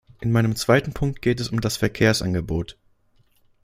In meinem zweiten Punkt geht es um das Verkehrsangebot.